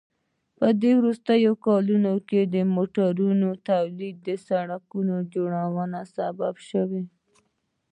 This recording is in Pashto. په وروستیو کلونو کې د موټرونو تولید د سړکونو د جوړونې سبب شو.